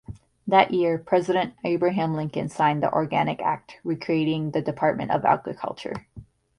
That year, President Abraham Lincoln signed the Organic Act recreating the Department of Agriculture.